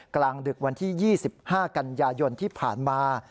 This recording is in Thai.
กลางดึกวันที่๒๕กันยายนที่ผ่านมา